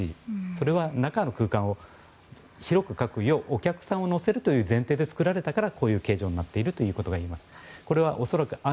それは中の空間を広く確保要はお客さんを乗せるという前提で作られたからこういう形状になっているということが言えます。